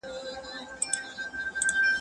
یوه ورځ یې بحث پر خوی او پر عادت سو.